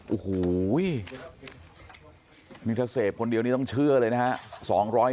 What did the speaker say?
โอ้โหววิมีทางเสพคนเดียวนี้ต้องเชื่อเลยนะครับ